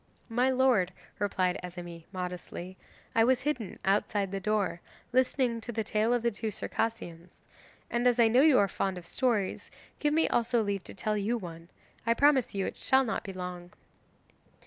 'My lord,' replied Azemi, modestly, 'I was hidden outside the door, listening to the tale of the two Circassians. And as I know you are fond of stories, give me also leave to tell you one. I promise you it shall not be long.